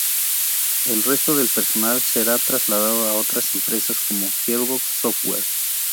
El resto del personal se trasladó a otras empresas, como Gearbox Software.